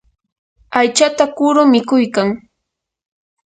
aychata kuru mikuykan.